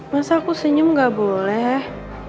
masa aku senyum gak boleh